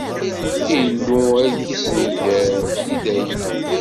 Illu ad k-issenger i dayem.